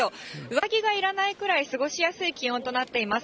上着がいらないくらい過ごしやすい気温となっています。